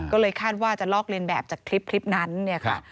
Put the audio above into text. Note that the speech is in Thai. ก็เลยคาดว่าจะลอกเลียนแบบจากคลิปนั้นเนี่ยค่ะ